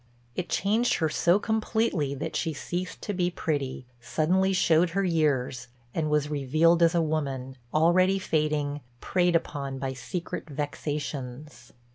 It changed her so completely that she ceased to be pretty—suddenly showed her years, and was revealed as a woman, already fading, preyed upon by secret vexations.